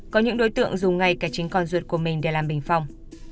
có những đối tượng dùng ngay cả chính con ruột của mình để làm bình phong